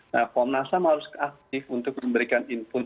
nah komnas ham harus aktif untuk memberikan input